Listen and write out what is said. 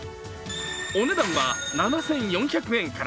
お値段は７４００円から。